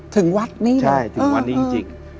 ถึงวัดนี้หรออเจมส์ใช่ถึงวัดนี้จริง